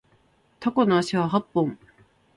タコの足は八本